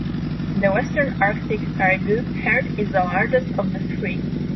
The Western Arctic caribou herd is the largest of the three.